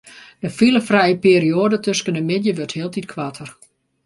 De filefrije perioade tusken de middei wurdt hieltyd koarter.